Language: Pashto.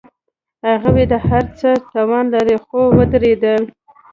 هغوی د هر څه توان لرلو، خو ودریدل.